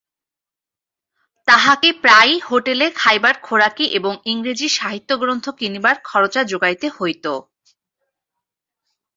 তাহাকে প্রায়ই হোটেলে খাইবার খোরাকি এবং ইংরেজি সাহিত্যগ্রন্থ কিনিবার খরচা জোগাইতে হইত।